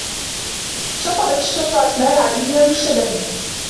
شطبت الشّرطة أسماء العديد من المشتبهين.